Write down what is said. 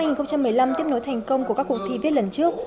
năm hai nghìn một mươi năm tiếp nối thành công của các cuộc thi viết lần trước